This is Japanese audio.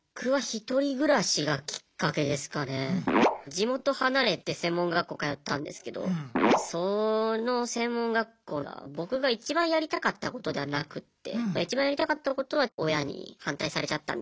地元離れて専門学校通ったんですけどその専門学校が僕が一番やりたかったことではなくって一番やりたかったことは親に反対されちゃったんで。